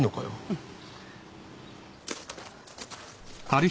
うん。